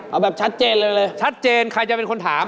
เอาแบบชัดเจนเลยเลยชัดเจนใครจะเป็นคนถาม